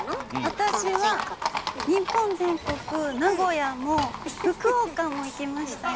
私は日本全国名古屋も福岡も行きましたよ。